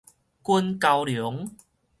滾蛟龍